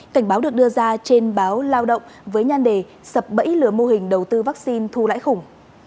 cảnh báo được đưa ra trên báo lao động với nhan đề sập bẫy lừa mô hình đầu tư vaccine thu lãi khủng